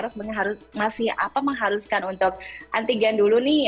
kalau kemarin kan mungkin masih harus mengharuskan untuk antigen dulu nih